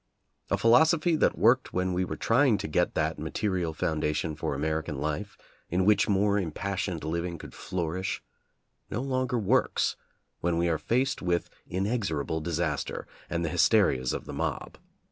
A philosophy that worked when we were trying to get that ma terial foundation for American life in which more impassioned living could flourish no longer works when we are faced with inexorable disaster and the hysterias of the mob.